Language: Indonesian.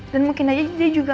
dan mungkin aja dia juga